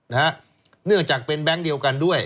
เนื่องจากเป็นแบงค์เดียวกันด้วย